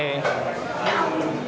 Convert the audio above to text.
terus terus terus